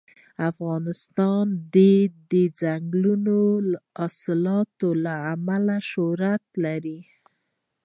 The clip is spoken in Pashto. افغانستان د دځنګل حاصلات له امله شهرت لري.